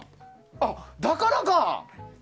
あ、だからか！